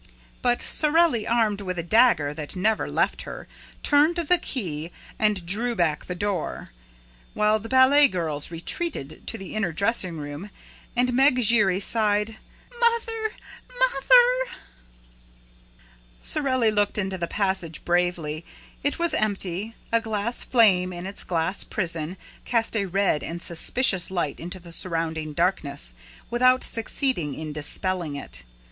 But Sorelli, armed with a dagger that never left her, turned the key and drew back the door, while the ballet girls retreated to the inner dressing room and Meg Giry sighed: "Mother! Mother!" Sorelli looked into the passage bravely. It was empty; a gas flame, in its glass prison, cast a red and suspicious light into the surrounding darkness, without succeeding in dispelling it.